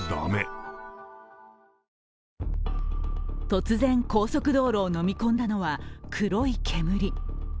突然、高速道路をのみ込んだのは黒い煙。